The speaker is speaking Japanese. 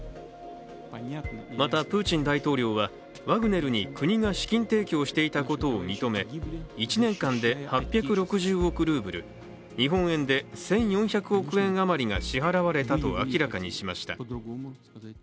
また、プーチン大統領はワグネルに国が資金提供していたことを認め、１年間で８６０億ルーブル、日本円で１４００億円あまりが支払われたと明らかにしました。